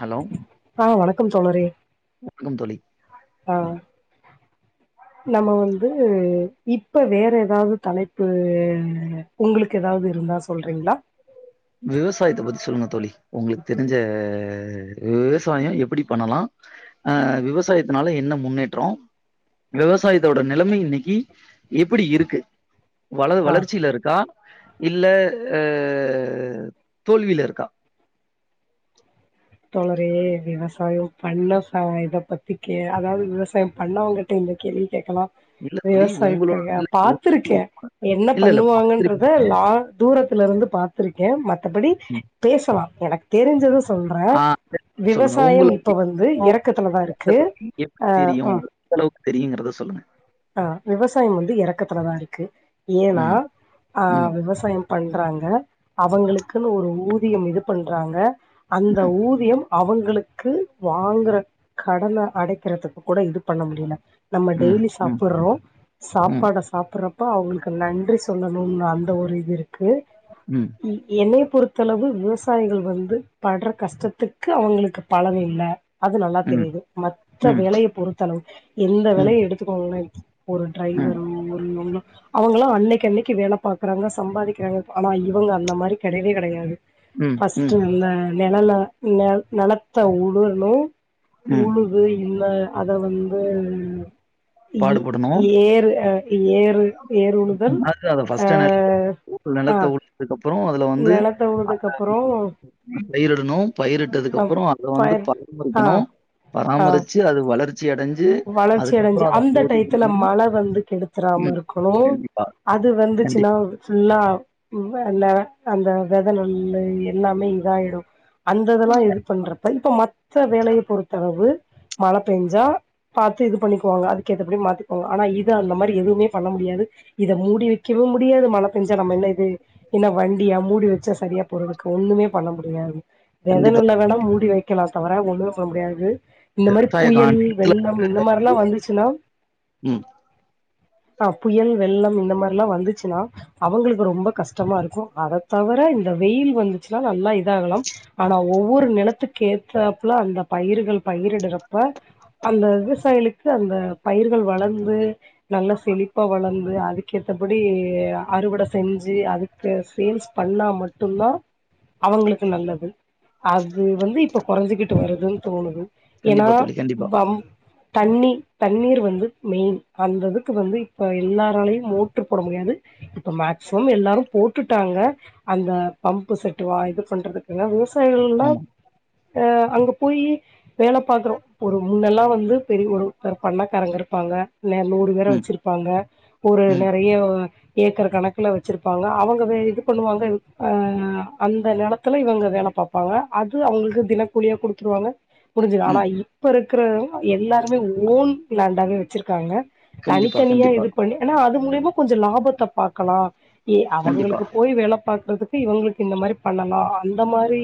Hello ஆ வணக்கம் தோழரே வணக்கம் தோழி ஆ நம்ம வந்து இப்ப வேற ஏதாவது தலைப்பு உங்களுக்கு ஏதாவது இருந்தா சொல்றீங்களா விவசாயத்தை பத்தி சொல்லுங்க தோழி உங்களுக்கு தெரிஞ்ச விவசாயம் எப்படி பண்ணலாம் அ விவசாயத்துனால என்ன முன்னேற்றம் விவசாயத்தோட நிலைமை இன்னைக்கு எப்படி இருக்கு வள ஆ வளர்ச்சியில இருக்கா இல்ல அ அ தோல்வியில இருக்கா தோழரே விவசாயம் பண்ண இத பத்தி கே அதாவது விவசாயம் பண்ணவங்கிட்ட இந்த கேள்வி கேட்கலாம் இல்ல தோழி விவசாயத்தை உங்களோட இல்ல உங்க- பாத்துருக்கேன் என்ன இல்ல பண்ணுவாங்கன்றத லா தூரத்துல இருந்து பார்த்திருக்கேன் பட் மத்தபடி பேசலாம் போல தெரிஞ்சத சொல்றேன் ஆ சொல்லுங்க விவசாயம் உங்களுக்கு இப்ப வந்து இறக்கத்துலதான் இருக்கு எப்டி அ தெரியு ம் எந்த அளவுக்கு தெரியுங்கறத சொல்லுங்க அ விவசாயம் வந்து இறக்கத்துலதான் இருக்கு ஏனா ம் அ ம் விவசாயம் பண்றாங்க அவுங்களுக்குன்னு ஒரு ஊதியம் இது பண்றாங்க அந்த ம் ஊதியம் அவுங்களுக்கு வாங்குற கடன அடைக்குறதுக்கு கூட இது பண்ண முடியல நம்ம ம் டெய்லி சாப் ம் ப்புறோ ம் சாப்பாட சாப்புற ப்ப அவுங்ளுக்கு நன்றி சொல்லணும்னு அந்த ஒரு இது இரு க்கு ம் இ என்னெ பொறுத்தளவு விவசாயிகள் வந்து பட்ற கஷ்டத்துக்கு அவுங்களுக்கு பலன் இல்ல அது நல்லா ம் தெரியுது மத்த ம் வெலய பொருத்தலவு எந்த ம் வெலய எடுத்துகோங்ளே ஒரு ம் ட்ரைவரும் ஒரு நொ அவங்களா அன்னக்கி அன்னக்கி வேல பாக்குறாங்க சம்பாதிக்குறாங்க ஆனா இவுங்க அந்த மாரி கெடயவே கெடயாது ம், ம், ஃபஸ்ட்டு இந்த நெழல நெல் நெலத்த உலுரணு ம். உழுது இல்ல அத வந்து இ டனு ஏறு அ ஏறு ஏர் உழுதல் ஆ ஃபஸ்ட் ஆ நெலத்தவுலுதக்கப்ரோ அதுல வந்து நெலத்த அ உழுதுக்கு அப்பறோ பயிரிடணு அ பயிரட்டதுக்கப்றோ அத வந்து பயிர் ஆ பராமரிக்கணு ஆ பராமரிச்சு அது வளர் வளர்ச்சி அடஞ்சு வளர்ச்சி அடைஞ்சு அதுக்கப்றோ அத அந்த டய்த்துல மழ வந்து கெடுத்துராம ம். இருக்கணு கண்டிப்பா, அது வந்துச்சுன்னா கண்டிப்பா, ஃபுல்லா இந் அல்ல அந்த வெத நெல்லு எல்லாமே இதாயிடு அந்ததெல்லா இது பண்றப்ப ப்போ மத்த வேலய பொறுத்தளவு மழ பேஞ்சா பாத்து இது பண்ணிக்குவாங்க அதுக்கு ஏத்தபடி மாத்திக்குவாங்க ஆனா இது அந்த மாரி எதுவுமே பண்ண முடியாது இத மூடி வெக்கவு முடியாது மழ பேஞ்சா நம்ம என்ன இது என்ன வண்டியா மூடி வச்சா சரியா போறதுக்கு ஒன்னுமே பண்ண முடியாது கண்டிப்பா. வெதனெள்ள வேணா மூடி வக் கெளாஸ் தவர ஒன்னுமே பண்ண முடியாது இந்த மாரி விவசாய புயல் காலத்துல வெள்ளோ இந்த மாரிலா வந்துச்சுன்னா ம். அ புயல் வெள்ளம் இ ந்தமாரில்லா வந்துச்சுன்னா அவுங்களுக்கு ரொம்ப கஷ்டமா இருக்கு அதத்தவிர இந்த வெயில் வந்துச்சுன்னா நல்லா இதாகலாம் ஆனா ஒவ்வொரு நெலத்துக்கு ஏத்தாப்ல அந்த பயிர்கள் பயிரிடுற ப்ப அந்த ளுக்கு அந்த பயிர்கள் வளந்து நல்லா செழிப்பா வளந்து அது மத்தபடி அ அறுவடை செஞ்சு அதுக்கு சேல்ஸ் பண்ணா மட்டும்தா அவங்களுக்கு நல்லது அது வந்து இப்ப கொறைஞ்சிக்கிட்டு வருதுன்னு தோணுது ஏன்னா கண்டிப்பா தோழி, கண்டிப்பா. வம் தண்ணி தண்ணீர் வந்து மெயின் அந்த இதுக்கு வந்து இப்ப எல்லாரலயு மோட்ரு போட முடியாது இப்ப மேக்சிமம் எல்லாரு போட்டுட்டாங்க அந்த பம்பு செட் வா இது பண்றதுக்குங்க விவசா யிகளுன்னா ஆமா. ஆ அங்க போயி வேல பாக்கறோ ஒரு முன்னெல்லா வந் து பெரிய ஒரு த்தர் பண்ணக்காரங்க இருப்பாங்க ந நூறு பேர ம், வச்சிருப்பாங்க ஒரு ம், நெறைய ஏக்கர் கணக்குல வச்சிருப்பாங்க அவங்க வே இது பண்ணுவாங்க ஆ அந்த நெலத்துல இவங்க வேல பாப்பாங்க அது அவங்களுக்கு தினக்கூலியா குடுத்துருவாங்க முடிஞ்சுது ஆன ம். இப்ப இரு க்கற அ எல்லாருமே ஓன் லேண்டாவே வெச்சிருக்காங்க கண்டிப்பா, தனித்தனியா கண்டிப்பா, இது பண்ணி ஆனா அது மூலிய மா கொஞ்ச லாபத்த பாக்கலா இப்டி கண்டிப்பா, அவங்களுக்கு போய் வேல பாக் கறதுக்கு இவங்களுக்கு இந்த மாரி பண்ணலா அந்த மாரி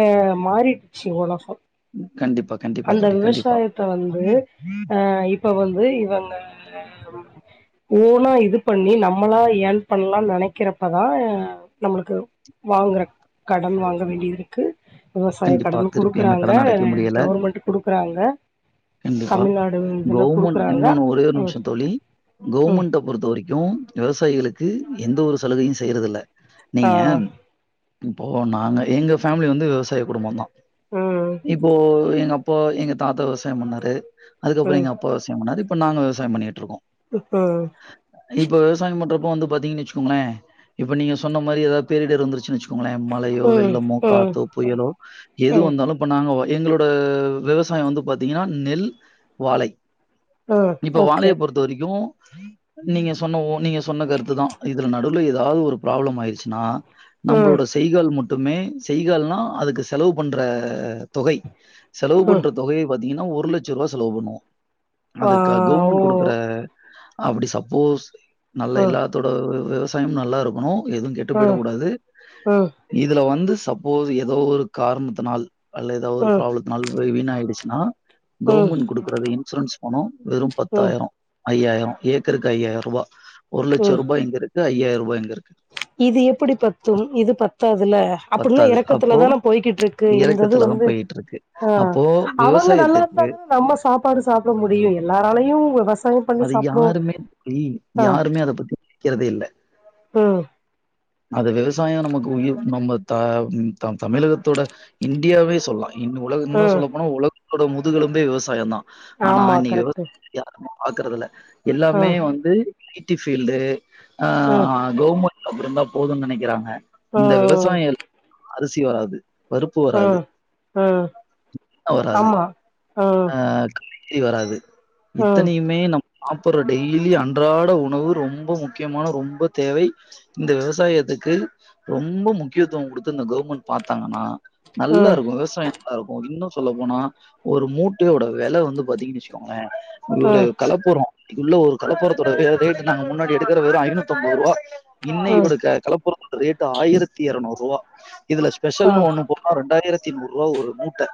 ஆ மாறிட்ச்சு உலகோ ம் கண்டிப்பா கண்டிப்பா தோழி கண்டிப்பா வந்து ஆ இப்ப வ ந்து இவங்க ஓனா இது பண்ணி நம்மளா யேர்ன் பண்ணலான்னு நெனைக்கிறப்பதா நம்மளுக்கு வாங்கற கடன் வாங்க வேண்டியது இருக்கு விவசாய கண்டிப்பா, கடன் திருப்பி அந்த குடுக்குறாங்க கடன அடைக்க ஆ முடியல. கவர்மெண்ட்டு குடுக்குறாங்க கண்டிப்பா கவர்மெண்ட் கொடுக்குறாங்க இன்னொன்னு ஒரே ஒரு ம் நிமிஷோ தோழி ம் கவர்மெண்ட பொறுத்தவரைக்கு விவசாயிகளுக் கு எந்த ஒரு சலுகையு செய்யறதில்ல ஆ நீங்க இப்போ நாங்க எங்க ஃபேமிலி வந்து விவசாய குடும்பந்தா ம் இப்போ எங்க அப் இப்போ எங்க தாத்தா விவ சாயம் பண்ணாரு அதுக்கப்புறம் ம் ம் எங்க அப்பா விவசாயம் பண்ணாரு இ ப்ப நாங்க விவசாயம் பண்ணிகிட்டு இருக்கோம் இப்ப விவசாயம் பண்றது வந்து பாத்தீங்கன்னு வச்சக்கோங்களேன் இப்ப நீங்க சொன்ன மாதிரி ஏதாவது பேரிடர் வந்துருச்சுன்னு வச்சு கோங்களேன் மலையோ வெள்ளமோ ம் ம் காத்தோ புயலோ எது ம் வந்தாலும் இப்ப நாங்க எங்களோட விவசாயம் வந்து பார்த்தீங்கன்னா நெல் வாழை ம் இப்ப ஓகே வாழைய பொறுத்த வரைக்கும் நீங்க சொன்ன நீங்க சொன்ன கருத்துதான் இதுல நடுவுல ஏதாவது ஒரு ப்ராப்ளம் ஆயிடுச்சுன்னா ம் நம்மளோட செய்கால் மட் டுமே செய்கள்னா அதுக்கு செலவு பண்ற தொகை செலவு ம் பண்ற தொகை பாத்தீங்கன்னா ஒரு லட்சம் ரூவா செலவு பண்ணுவோம் ஆ அது க ஓ கவுர்மெண்ட் குடுக்குற அப்படி சப்போஸ் நல்லா ம் எல்லாத்தோட விவசாயம் நல்லா இருக்கணும் எதுவும் கெட்டு ம் போயிடக் ம் கூடாது ம் இதுல வந்து சப்போஸ் ஏதோ ஒரு காரணத்தினால் அல்லது ஒரு ம் ப்ராப்ளத்தினால் போய் வீணாகிடுச்சு நா ம் கவர்மெண்ட் குடுக்குற அந்த இன்சூரன்ஸ் பணம் வெறும் பத்தாயிரம் ஐயாயிரம் ஏக்கருக்கு ஐயாயிரம் ரூவா ஒரு ம் லட்சம் ரூபாய் எங்க இருக்கு ஐயாயிரம் ரூபா எங்க இருக்கு இது எப்படி பத்தும் இது பத் இதுல அப்படல்லாம் பத்தாது. அப்போ இறக்கத்துலதானா போய்கிட்டு இருக்கு இந்த இது இறக்கத்துல தான் வந்து போயிட்டுருக்கு. ஆ அப்போ அவுங்க நல்லா இருந்தா விவசாயத்துக்கு தானே நம்ம சாப்பாடு சாப்பிட முடியும் எல்லாராலையும் அத யாருமே ஏய் ஆ யாருமே அத பத்தி கிறதே இல்ல ம் அது விவசாயொ நமக்கு உயிர் நம்ம த தம் தமிழகத்தோட இந்தியாவே சொல்லா இன்னு உலக இன்னு ம் சொல்ல போனா உல கொட முதுகலும்பே விவசாயந்தா ஆமா கரெக்ட்டு பாக்குறதில்ல எல்லாமே ம் வந்து ஐ டி ஃபீல்டு ஆ ம் கவுர்மென் அப்டிந்தா போதுன் நெனைக்கிறாங்க இந்த விவசாய இரு அரிசி வராது பருப்பு ஆ வராது, ஆ ஆமா ஆ ளி வராது அத்தனையுமே நம் சாப்புர்ற டெய்லி அன்றாட உணவு ரொம்ப முக்கியமான ரொம்ப தேவை இந்த விவசாயத்துக்கு ரொம்ப முக்கியத்துவ குடுத்து இந்த கவர்மெண்ட் பாத்தாங்கன்னா ம் நல்லாருக்கு விவசாய நல்லாருக்கு இன்னு சொல்ல போனா ஒரு மூட்டையோட வெல வந்து பாத்தீங்கன் வச்சுக்கோங்களே நூறு ம் கலப்புரோ இல்ல ஒரு கலப்புரத்தோடது ரேட்டு நாங்க முன்னாடி எடுக்குற வெறு ஐநூத்தம்பருவா இன்னைக்கு ம் குடுக்க கலப்புரத்தோட ரேட்டு ஆயிரத்தி எரநூறு ருவா இதுல ஆ ஸ்பெஷல்னு ஒன்னு போனா ரெண்டாயிர த்தி நூறுவா ஒரு மூட்ட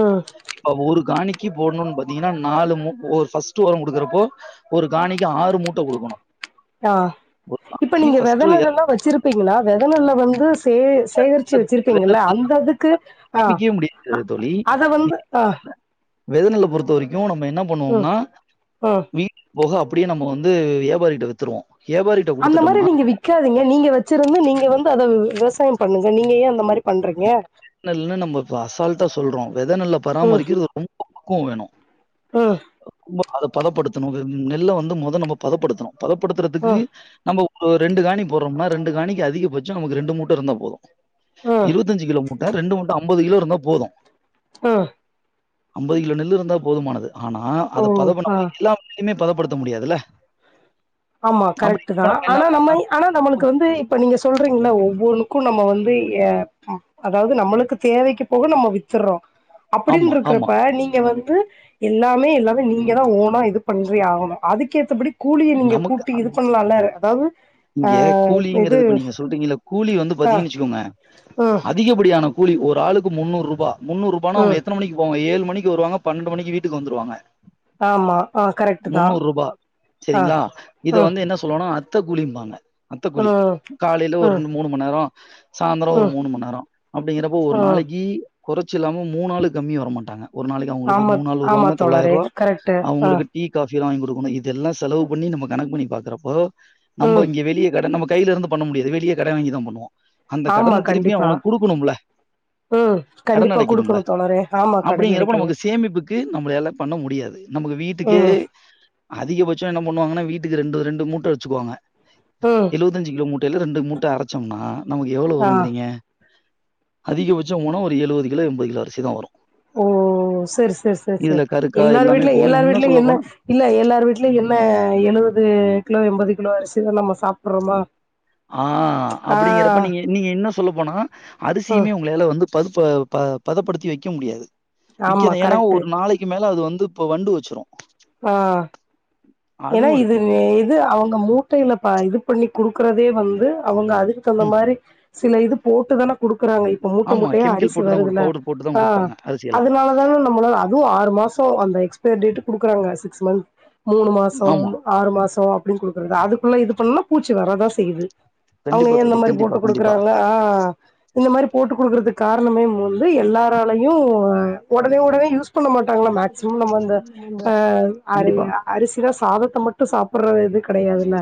ம் இப்ப ஒரு காணி க்கி போட்னுன் பாத்தீங்கனா நாலு மூ [unintelligible] ஃபஸ்ட்டு ஒரொங் குடுக்குறப்போ ஒரு காணி க்கி ஆறு மூட்ட குடுக்கனு ஆ ஒரு காணிக்கி ஃபஸ்ட்டு [inaudible] பீங்களா வெதநெல்ல வந்து சே சேகரிச்சு வச்சிருப்பீங்கல்ல அந்த இதுக்கு ஆ சேமிக்கவே முடியாது அத வந்து அ வெதனெல்ல பொறுத்த வரைக்கு என்ன பண்ணுவோம்னா ம் வீட் போக அப்டியே நம்ம வந்து யாபாரிகிட்ட வித்துருவோ அந்த மாதிரி நீங்க வி்க்காதீங்க நீங்க வச்சிருந்து நீங்க வந்து அத விவசாயம் பண்ணுங்க நீங்க ஏ அந்த மாரி பண்றீங்க வெதநெல்ன்னு நம்ம அசால்டா சொல்றோ வெத நல்லா பராமரிக்குறது ரொம் பக்குவோ வேணு உம் ரொ அத பதப்படுத்தணு நெல்ல வந்து மொத நம்ம பதப்படுத்தணு பதப்படுத்துறதுக்கு ம் நம்ம ரெண்டு காணி போட்றோம்னா ரெண்டு காணிக்கு அதிகபட்சோ நமக்கு ரெண்டு மூட்ட இருந்தா போது ம் இருபத்தஞ்சு கிலோ மூட்ட ரெண்டு மூட்ட அம்பது கிலோ இருந்தா போது ஆ அம்பது கிலோ நெல்லு இருந்தா போதுமானது ஆனா ஓ அத பத ஆ பண்ண நாம [unintelligible] படுத்த முடியாதுல்ல ஆமா அப்படி கரெக்ட்டு தா இப்ப என்ன ஆனா நம்ம பண்ணலாம் ஆனா நம்மளுக்கு வந்து இப்ப நீங்க சொல்றீங்ள ஒவ்வொன்னுக்கு நம்ம வந்து அதாவது நம்மளுக்கு தேவைக்கு போக நம்ம வித்துருறோ அப்டீன் ஆமா ஆமா இருக்குறப்ப நீங்க வந்து எல்லாமே எல்லாமே நீங்க தா ஓனா இது பண்றே ஆகணு அதுக்கேத்தபடி கூலிய நீங்க நமக்கு இது பண்ணலாம்ல அதாவது ஆ இங்க இது கூலிங்கிறது நீங்க சொல்றீங்க கூலி வந்து ஆ பாத்தீங்கன்னு வச்சுக்கோங்க ம் அதிகப்படி ஆன கூலி ஒரு ஆளுக்கு முன்னூறு ரூபா முன்னூறு ரூபானா அங்க ம் எத்தன மணிக்கு போவா ஏழு மணிக்கு வருவாங்க பன்னெண்டு மணிக்கு வீட்டுக்கு வந்துருவாங்க ஆமா ஆ கரெக்ட்டு தா செரிங்ளா இத வந்து என்ன சொல்லுவா அத்த கூலிம்பாங்க அத்த ம் [unintelligible] காலைல ஒரு ம் ரெண்டு மூணு மண் நேரொ சாய்ந்திரொ ஒரு ம் மூணு மண் நேரொ அப்டிங்கிறப்ப ஒரு ம் நாளைக்கி கொறச்சில்லாம மூணாலு கம்மியா வர மாட்டாங்க ஒரு நாளைக் அவுங்களுக்கு ஆமா மூணாள் ஆமா வருவாங்க தோழரே தொள்ளாயருவா கரெக்ட்டு ஆ அவுங்களுக்கு டீ கா ஃபிலா வாங்குடுக்கனு இது எல்லா செலவு பண்ணி நம்ம கணக்கு பண்ணி பாக்குறப்ப நம்ப ம் இங்க வெளிய கடன் நம்மக் கைலெருந்து பண்ண முடியாது வெளிய கடெ வாங்கி தா பண்ணுவோ அந்த ஆமா கடன திருப்பி கண்டிப்பா அவனுக் குடுக்கனும்ல ம் கடன் கண்டிப்பா அடைக்கனும்ல குடுக்கணு தோழரே ஆமா கடன் அப்டிங்கிறப்ப அடைக்கணு நமக்கு சேமிப்புக்கு நம்ளால பண்ண முடியாது நமக்கு வீட்டுக்கே ம் அதிகபச் ச என்ன பண்ணுவாங்கனா வீட்டுக்கு ரெண்டு ரெண்டு மூட்ட வச்சுக்குவாங்க ம் எழவத்தஞ்சு கிலோ மூ ட்டைல ரெண்டு மூட்ட அரச்சோம்னா நமக்கு எவ்ளோ ஆ வருங்றீங்க அதிகபட்சொ வோனா ஒரு எழுவது கிலோ எம்பது கிலோ அரிசிதா வரு ஓ செர் செர் செர் செர் கருக்கா எல்லார் எல்லாமே வீட்லயு போக எல்லார் இன்னும் வீட்லயு என்ன சொல்லப்போனா இல்ல எல்லார் வீட்லயு என் ன எழுவது கிலோ எம்பது கிலோ அரிசிதா நம்ம சாப்புர்றோமா ஆ அப்புடிங்கிறப்ப நீங்க நீங்க இன்ன சொல்ல போனா ம் அரிசியுமே உங்ளால வந்து பதுப்ப ப பதப்படுத்தி வக்க முடியாது ஆமா விக்கனு ஏனா கரெக்ட்டு ஒரு நாளைக்கு மேல அது வந்து ப்ப வண்டு வச்சுரு ஆ ஏனா அதுவும் இது இருக்கு. இது அவுங்க மூட்டைல ப இது பண்ணி குடுக்குறதே வந்து அவங்க அதுக்குதந்த ம். மாரி சில இது போட்டுதான குடுக்குறாங்க இப்ப மூட்ட ஆமா. மூட்டயா கெமிக்கல் அரிசி போட்டு தான் குடு வருதுல பவுடர் போட்டு தான் ஆ குடுப்பாங்க அரிசியெல்லாம். அதுனால தான நம்மள அதுவு ஆறு மாசொ அந்த எக்ஸ்பைரி டேட்டுகுடு ஆ சிக்ஸ் மந்த் மூணு மாசம் ஆமா. ஆறு மாசொ அப்படின்னு கொடுக்குறது அதுக்குள்ளாம் இது பண்ணலாம் பச்சி வரதான் செய்யூது அவுங்க கண்டிப்பா ஏ இந்த தோழி. மாரி போட்டு கண்டிப்பா, கண்டிப்பா. குடுக்குறாங்க ஆ இந்த மாரி போட்டு குடுக்குறதுக்கு காரணமே மூந்து எல்லாராலையு வொடனே வொடனே யூஸ் பண்ண மாட்டாங்களா மேக்சிமம் நம்ம அந்த ஆ அரி கண்டிப்பா. அரிசி த ச சாதத்த மட்டு சாப்பிடுற இதுக் கெடையாதுல்ல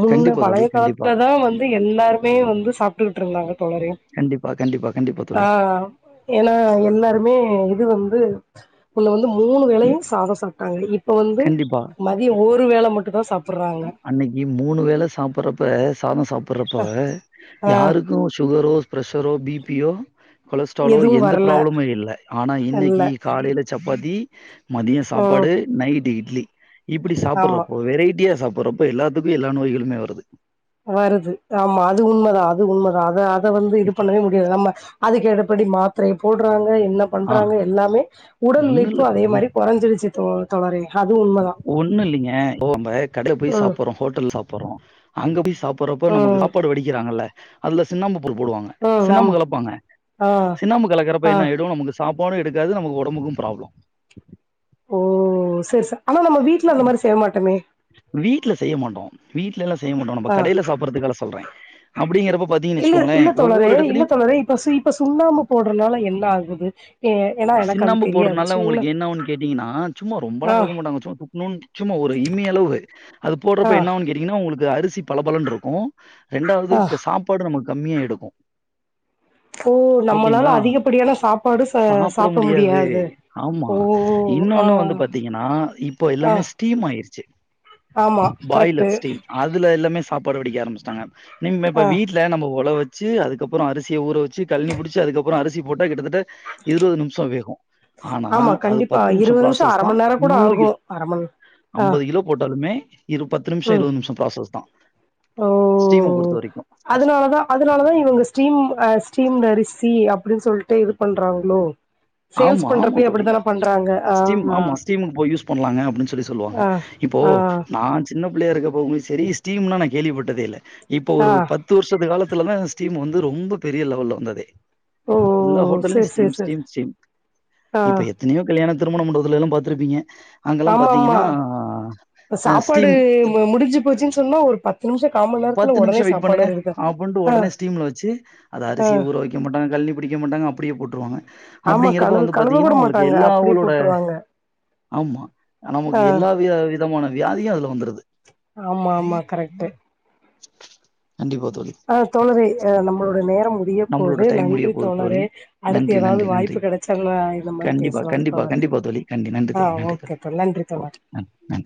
முன்னு கண்டிப்பா பழைய தோழி. கண்டிப்பா. காலத்துல தா வந்து எல்லாருக் ப்மே வந்து சாப்பிட்டுக்கிட்டு இருந்தாங்க தோரி கண்டிப்பா, கண்டிப்பா, கண்டிப்பா ஆ தோழி. ஏன்னா எல்லாருமே இது வந்து து ஒன்னு வந்து மூணு வேலையு சாதம் சாப் இது இப்ப வந்து கண்டிப்பா. மதியம் உ ஒரு வேல மட்டு தா சாப் அன்னைக்கு மூணு வேல சாப்பறப்ப சாதம் சாப் ப்பறப்பா ஆ யாருக்கு சுகரோ பிரசரோ பி பி ஓ கொலஸ்ட்ராலோ எதுவு எந்த வரல ப்ராப்ளமு இல்ல ஆனா இல்ல இன்னைக்கு காலையில சப் பதி மதிய ம் சாப்பாடு நைட்டு இட் ட்லி இப்டி ஆமா சாப்படுறப்போ வெரைட்டியா சாப்பறப்ப எல்லாத்துக்கு எல்லா நோய்களுமே வருது வருது ஆமா அது உண்மதா அது உண்மதா அத அது அத வந்து இது இப் பண்ணவே முடியாது நம்ம அதுக்கு எடப்படி மாத்திரைய போடுறாங்க என்ன ஆ பண்றாங்க எல்லாமே உடல் உழைப்பு அதே மாரி கொறஞ்சிருச்சுடு ஒண்ணு இல்லிங்க ப்ப நம்ப கடைய போய் ம், சாப்பறோ ஹோட்டல் சாப்பறோ அங்க போய் சாப்பறப்போ நமக்கு ம், சாப்பாடு வடிக்கிறாங்கல்ல அது சின்ன மு ப் போடுவாங்க ம். சின்னாம்பு ஆமா. கலப்பாங்க ஆ, சின்னாம்பு கலக்கறப்ப ஆ. என்ன ஆயிடும் நமக்கு சாப்பாடு எடுக்காது நமக்கு ஒடம்புக்கு ப்ராப்ளம் ஓ சேர் சே ஆனா நம்ம வீட்டுல அந்த மாரி செய்ய மாட்டோமே வீட் ட்ல எல்ல செய்ய மாட்டோ நம்ப ஆ. கடையில சாப்பறதுல சொல்றே அப்பிடிங்கிறப்போ இல்ல இல்ல தோழாரே இல்ல தோழரே இப்ப இப்ப சுண்ணாமு போடறனால என்ன ல்ல ஆகுது ஏ ஏன்னா எனக்கு அது சின்னாம்பு தெரியாது. போடுறனால சுண்ண உங்களுக்கு என்ன அவுன் கேட்டீங்கன்னா சும்மா ரொம்பெலா ஆ, கழக்க மாட்டாங்க சும்மா துக்கணும்னு சும்மா ஒரு இம்மி அளவு அது ஆ, போடுறப்ப என்னனாவு கேட்டீங்கன்னா உங்களுக்கு அரி சி பலபலன்ருக்கு ரெண்டாவது ஆ. சாப்பாடு நமக் கம்மியா எடுக்கு ஓ நம்மளால அதிகப்படியான சாப்பாடு சாப் சாப்பிட முடியாது ஆமா ஆ இன்னொன்னு வந்து பாத்தீங்கன்னா இப்போ ஆ எல்லாமே ஸ்டீம் ஆயிருச்சி ஆமா கரெக்ட்டு பாய்லர் ஸ்டீம் அதுல எல்லாமே சாப்பாடு வடிக்க ஆரம்ச்சிடாங்க நிம்ம இப்ப ஆ வீட்ல நம்ம ஒழ வச் வச்சி அதுக்கப்புறோ அரிசிய ஊற வச்சி கல்னி புடிச்ச அதுக்கப்புறோ அரிசி போட்ட கிட்டத்தட்ட இருவது நிமிஷோ வேகு ஆனா ஆமா அது கண்டிப்பா பத்து நிமிஷோ இருவது அர பிராசஸ்தா மண் நேரோ கூட நூறு ஆகு கிலோ அர மண் ஆ ஐம்பது கிலோ போட்டாலுமே இரு பத்து நிமிஷோ ம் இருவது நிமிஷோ ப்ராசஸ் தா ஓ ஸ்டீம பொறுத்த வரைக்கு அதனாலதா அதனாலதா இவுங்க ஸ்டீம் அ ஸ்டீம்டு அரிசி அப்பிடின் சொல்ட்டு இது பண்றாங்களோ சேல்ஸ் ஆமா ஆமா பண்றப்பயே தோழி அப்டித்தான பண்றாங்க ஆ ஸ்டீம் ஆமா ஸ்டீம் ஸ்டீம்க்கு போய் யூஸ் பண்ணலாங்க அப்பிடின் சொல்லி சொல்லுவாங்க ஆ இப்போ ஆ நா சின் சின்ன புள்ளையா இருக்கப்போவு சேரி ஸ்டீம்னா நா கேள்விப்பட்டதே இல்ல இப்ப ஆ ஒரு பத்து வருஷத்து காலத் த்துலதா ஸ்டீம் வந்து ரொம்ப பெரிய லெவல்ல வந்ததே ஓ எல்லா ஹோட்டலயு சேரி சேரி ஸ்டீம் சேரி ஸ்டீம் ஸ்டீம் ஆ இப்ப எத்தனையோ கல்யாணோ திருமண மண்டபத்துல்லா பாத்திருப்பீங்க ஆமா ஆமா அ சாப்பாடு முடிஞ்சு போச்சுன்னு சொன்னா ஒரு பத்து நிமிஷோ கா மண் நேரத்துல பத்து ஒடனே நிமிஷ வெயிட் பண்ணுங்க சாப்பாடு ரெடி பண் அப்டின்ட்டு ஆ ஒடனே ஸ்டீம்ல வச்சு அத ஆ அரிசி ஊற வைக்க மாட்டாங்க கலனி பிடிக்க மாட்டாங்க அப்டியே போட்டு ருவாங்க ஆமா அப்டிங்கிறப்ப கழுவு வந்து கழுவ பாத்தீங்கனா கூட ஓங்களுக்கு மாட்டாங்க எல்லா அப்படியே அவளோட போட்டுருவாங்க ஆமா ஆ நமக்கு எல்லா வி விதமான வியாதியு அதுல வந்துருது ஆமா ஆமா கண்டிப்பா தோழி. அ தோழரே நம்மளோட நேரோ முடிய நம்மளோட போது டைம் முடிய நன்றி போது தோழி. தோழரே அடுத்து நன்றி, ஏதாவது நன்றி, நன்றி. வாய்ப்பு கிடைச்சன்னா இந்த மாரி கண்டிப்பா, பேசலா கண்டிப்பா, தோழரே கண்டிப்பா தோழி. கண்டி நன்றி ஆ தோழி, நன்றி ஓகே தோழி. நன்றி ஓகே. தோழரே நன்றி, நன்றி.